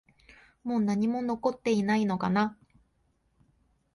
もう何も残っていないのかな？